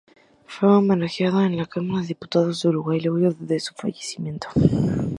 Fue homenajeado en la Cámara de Diputados de Uruguay luego de su fallecimiento.